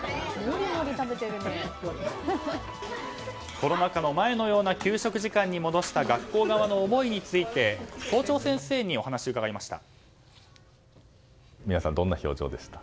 コロナ禍の前のような給食時間に戻した学校側の思いについて校長先生にお話を伺いました。